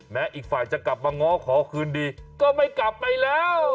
อีกฝ่ายจะกลับมาง้อขอคืนดีก็ไม่กลับไปแล้ว